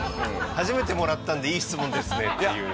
初めてもらったんで「いい質問ですね」っていう。